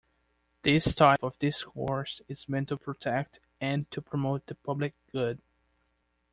This type of discourse is meant to protect and to promote the public good.